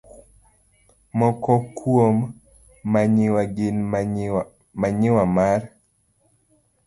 Moko kuom manyiwa gin manyiwa mar